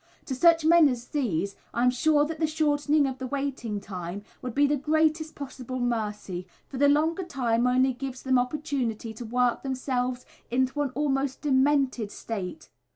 To such men as these I am sure that the shortening of the waiting time would be the greatest possible mercy, for the longer time only gives them opportunity to work themselves into an almost demented state.